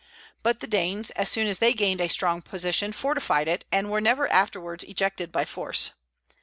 But the Danes, as soon as they gained a strong position, fortified it, and were never afterwards ejected by force.